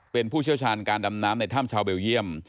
เป็นผู้เชี่ยวชาญการดำน้ำในถ้ำชาวเบลเยี่ยม